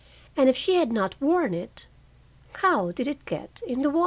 And if she had not worn it, how did it get in the water?